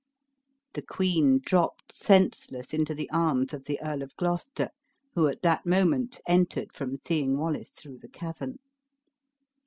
The queen dropped senseless into the arms of the Earl of Gloucester, who at that moment entered from seeing Wallace through the cavern.